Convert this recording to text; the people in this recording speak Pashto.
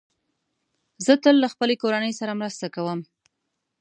زه تل له خپلې کورنۍ سره مرسته کوم.